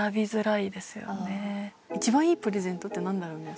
一番いいプレゼントってなんだろうね？